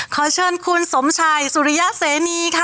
ขอเชิญคุณสมชัยสุริยะเสนีค่ะ